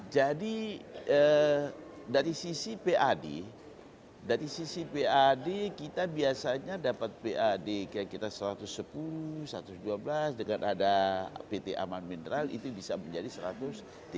jadi dari sisi pad dari sisi pad kita biasanya dapat pad kayak kita satu ratus sepuluh satu ratus dua belas dengan ada pt aman mineral itu bisa menjadi pad